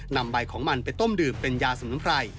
นำใบของมันไปต้มดื่มเป็นยาสมุนไพร